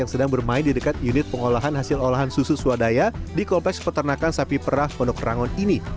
yang sedang bermain di dekat unit pengolahan hasil olahan susu swadaya di kompleks peternakan sapi perah pondok rangon ini